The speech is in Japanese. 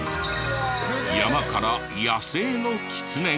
山から野生のキツネが。